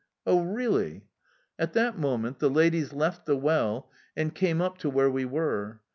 "Oh, really?" At that moment the ladies left the well and came up to where we were.